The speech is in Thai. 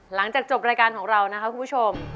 หลังจากจบรายการของเรานะคะคุณผู้ชม